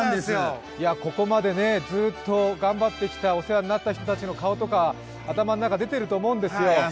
ここまでずっと頑張ってきたお世話になった人の顔とか、頭の中に出てると思うんですよ。